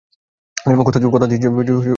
কথা দিচ্ছ যে তুমি ব্যাবস্থা করবে।